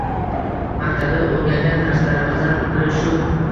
Maktabda oʻrgangan darslarimizdan biri shu.